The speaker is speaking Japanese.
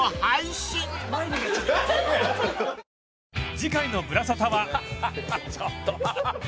［次回の『ぶらサタ』は］ちょっと。